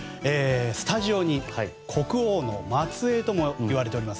スタジオに、国王の末裔ともいわれております